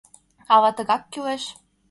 Ала тыгак кӱлеш?..